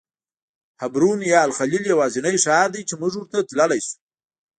حبرون یا الخلیل یوازینی ښار دی چې موږ ورته تللی شو.